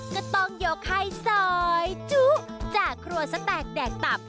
ก็ต้องโยไข่สอยจุ๊จากครัวสะแปกแดกตับ